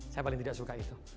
saya paling tidak suka itu